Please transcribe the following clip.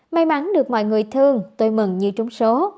may mắn được mọi người thương tôi mừng như trúng số